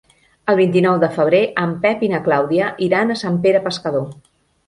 El vint-i-nou de febrer en Pep i na Clàudia iran a Sant Pere Pescador.